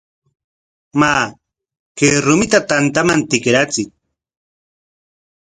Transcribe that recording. Maa, kay rumita tantaman tikrachiy.